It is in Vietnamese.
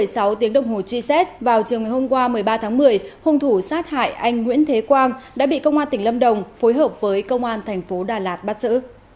sau tiếng đồng hồ truy xét vào chiều ngày hôm qua một mươi ba tháng một mươi hung thủ sát hại anh nguyễn thế quang đã bị công an tỉnh lâm đồng phối hợp với công an thành phố đà lạt bắt giữ